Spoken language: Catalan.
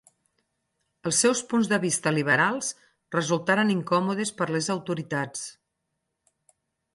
Els seus punts de vista liberals resultaren incòmodes per les autoritats.